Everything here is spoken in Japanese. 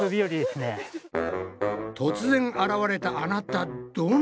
突然現れたあなたどなた？